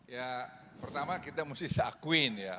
ya pertama kita mesti seakuin ya